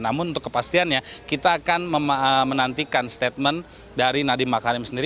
namun untuk kepastiannya kita akan menantikan statement dari nadiem makarim sendiri